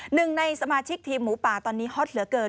หนึ่งในสมาชิกทีมหมูป่าตอนนี้ฮอตเหลือเกิน